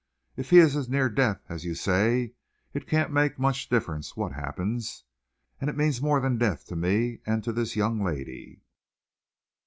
If he is as near death as you say, it can't make much difference what happens, and it means more than death to me and to this young lady."